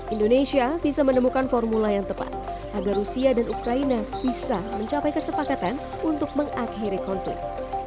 indonesia bisa menemukan formula yang tepat agar rusia dan ukraina bisa mencapai kesepakatan untuk mengakhiri konflik